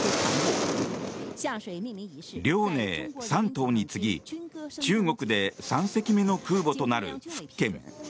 「遼寧」「山東」に次ぎ中国で３隻目の空母となる「福建」。